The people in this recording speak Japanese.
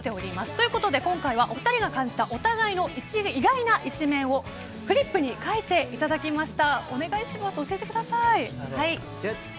ということで、今回はお互いが感じたお互いの意外な一面をフリップに書いていただきました。